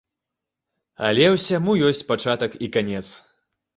Але ўсяму ёсць пачатак і канец.